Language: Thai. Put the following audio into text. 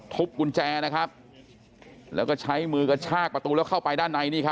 กุญแจนะครับแล้วก็ใช้มือกระชากประตูแล้วเข้าไปด้านใน